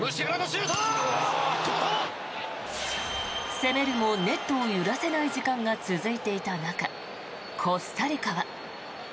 攻めるもネットを揺らせない時間が続いていた中コスタリカは。